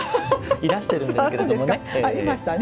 いらしてるんですけれどもね。